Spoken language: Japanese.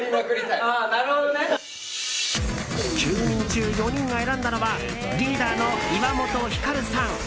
９人中４人が選んだのはリーダーの岩本照さん。